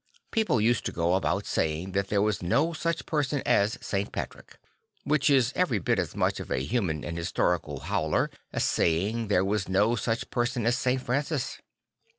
People used to go about saying that there \vas no such person as St. Patrick; which is every bit as much of a human and historical howler as saying there was no such person as St. Francis.